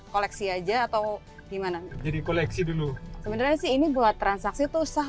koleksi aja atau gimana jadi koleksi dulu sebenarnya sih ini buat transaksi tuh sah